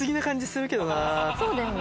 そうだよね。